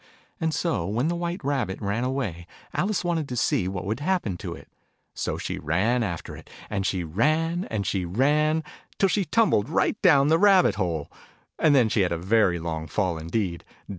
And so, when the White Rabbit ran away, Alice wanted to see what would happen to it : so she ran after it : and she ran, and she ran, till she tumbled right down the rabbit hole. And then she had a very long fall indeed.